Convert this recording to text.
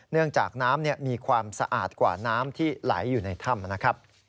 เนื่องจากน้ำมีความสะอาดกว่าน้ำที่ไหลอยู่ในถ้ำนะครับ